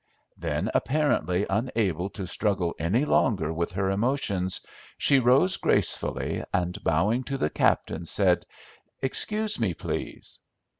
Then, apparently unable to struggle any longer with her emotions, she rose gracefully, and, bowing to the captain, said, "Excuse me, please."